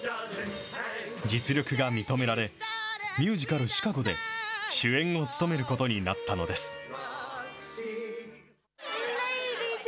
実力が認められ、ミュージカル、シカゴで主演を務めることになったのです。